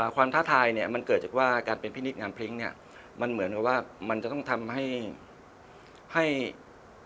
ความท้าทายมันเกิดจากว่าการเป็นผิดนิดงามพลิ้งมันเหมือนกับว่ามันจะต้องทำให้พิสูจน์ตัวเอง